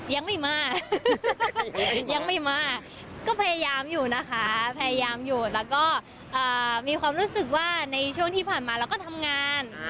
ยังไม่มายังไม่มาก็พยายามอยู่นะคะพยายามอยู่แล้วก็มีความรู้สึกว่าในช่วงที่ผ่านมาเราก็ทำงาน